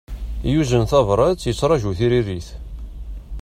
Yuzen tabrat, yettraju tiririt.